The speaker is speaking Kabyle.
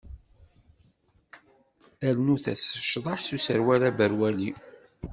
Rnut-as ccḍeḥ s userwal aberwali!